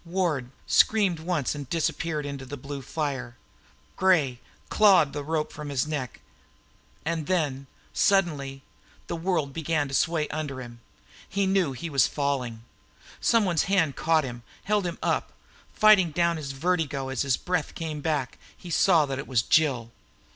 Ward screamed once and disappeared under the blue fire. Gray clawed the rope from his neck. And then, suddenly, the world began to sway under him. He knew he was falling. Some one's hand caught him, held him up. Fighting down his vertigo as his breath came back, he saw that it was Jill.